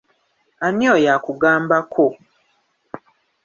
Ani oyo akugambako?